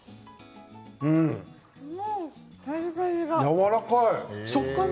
やわらかい。